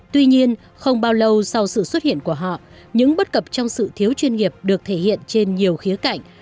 tuy nhiên không bao lâu sau sự xuất hiện của họ những bất cập trong sự thiếu chuyên nghiệp được thể hiện trên nhiều khía cạnh